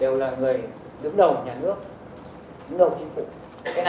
đều là người đứng đầu nhà nước đứng đầu chính phủ